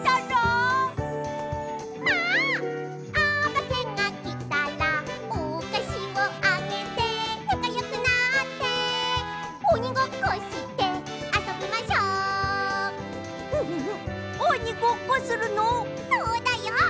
そうだよ。